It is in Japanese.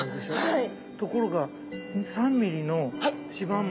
はい。